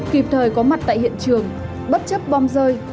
kịp thời có mặt tại hiện trường bất chấp bom rơi